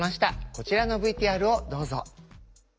こちらのＶＴＲをどうぞ。